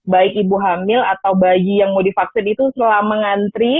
baik ibu hamil atau bayi yang mau divaksin itu selama ngantri